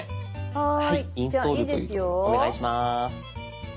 お願いします。